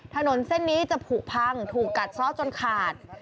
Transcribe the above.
ถนนเส้นนี้จะผูกพังถูกกัดซ้อจนขาด